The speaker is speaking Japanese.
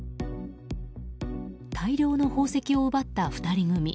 大量の宝石を奪った２人組。